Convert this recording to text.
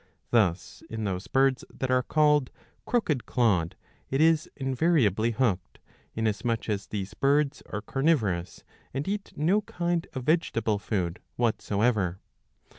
Thus in those birds that are called Crooked clawed^^ it is invariably hooked, inasmuch as these birds are carnivorous, and eat no kind of vegetable food whatsoever.